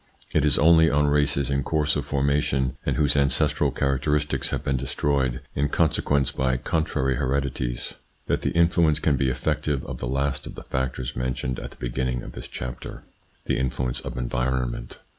It is only on races in course of formation, and whose ancestral characteristics have been destroyed in consequence by contrary heredities, that the in 56 THE PSYCHOLOGY OF PEOPLES: fluence can be effective of the last of the factors mentioned at the beginning of this chapter, the influence of environment.